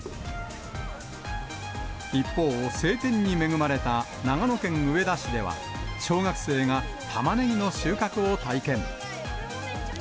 一方、晴天に恵まれた長野県上田市では、小学生がタマネギの収穫を体験。